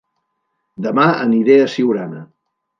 Dema aniré a Siurana